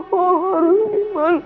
mama harus gimana